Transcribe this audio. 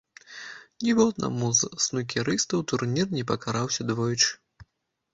Ніводнаму з снукерыстаў турнір не пакараўся двойчы.